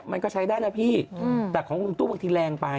มันก็ใช้ได้นะพี่แต่ของลุงตู้บางทีแรงไป